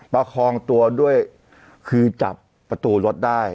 ประคองตัวด้วยคือจับประตูรถได้